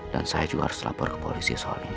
dan saya juga harus lapor ke polisi soal ini